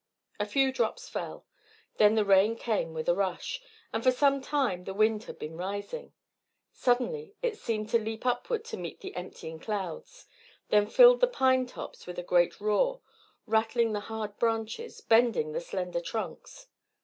A few drops fell; then the rain came with a rush. For some time the wind had been rising; suddenly it seemed to leap upward to meet the emptying clouds, then filled the pine tops with a great roar, rattling the hard branches, bending the slender trunks.